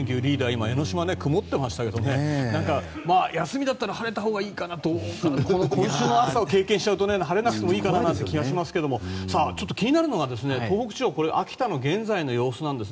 今、江ノ島は曇ってましたけど休みだったら晴れたほうがいいかなと思うけど今週の暑さを経験しちゃうと晴れなくてもいいかなと思っちゃいますけどちょっと気になるのが東北地方の秋田の現在の様子です。